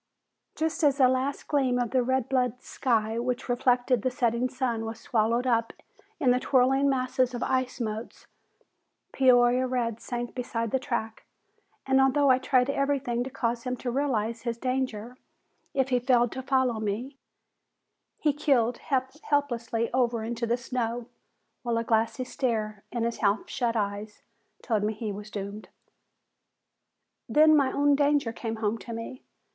Just as the last gleam of the blood red sky which reflected the setting sun was swallowed up in the swirling masses of ice motes, Peoria Red sank beside the track, and although I tried everything to cause him to realize his danger if he failed to follow me, he keeled helplessly over into the snow, while a glassy stare in his half shut eyes told me that he was doomed. Then my own danger came home to me.